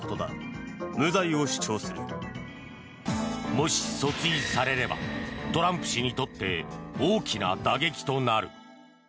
もし、訴追されればトランプ氏にとって大きな打撃となる。